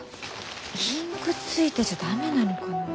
インクついてちゃ駄目なのかな？